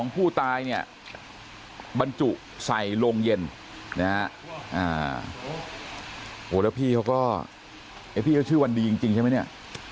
พี่เขาชื่อวันดีจริงใช่ไหมเนี่ย